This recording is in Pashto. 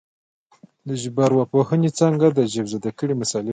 د ژبارواپوهنې څانګه د ژبزده کړې مسالې څېړي